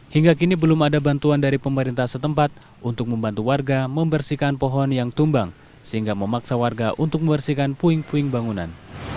hingga kini belum ada bantuan dari pemerintah setempat untuk membantu warga membersihkan pohon yang tumbang sehingga memaksa warga untuk membersihkan puing puing bangunan